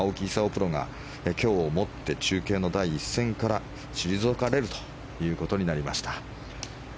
プロが今日をもって中継の第一線から退かれるということになりました。